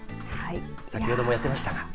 先ほどもやっていましたが。